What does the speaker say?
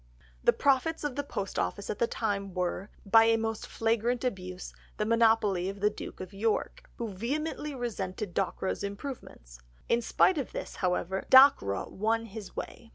The profits of the post office at that time were, by a most flagrant abuse, the monopoly of the Duke of York, who vehemently resented Dockwra's improvements. In spite of this, however, Dockwra won his way.